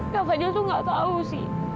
kak fadil tuh gak tau sih